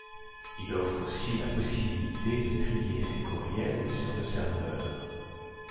Il offre aussi la possibilité de trier ses courriels sur le serveur.